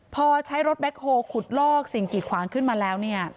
พอใช้รถแบ็คโฮลขุดลอกสิ่งกีดขวางขึ้นมาแล้วเนี่ย